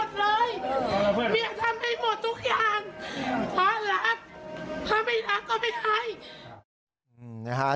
ภาพรับถ้าไม่รักก็ไม่ภัย